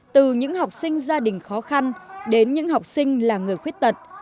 từ những học sinh gia đình khó khăn đến những học sinh là người khuyết tật